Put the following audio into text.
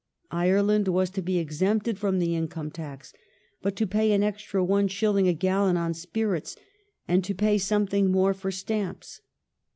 Ireland was to be exempted from the income tax but to pay an ■ extra Is. a gallon on spirits and to pay something more for stamps.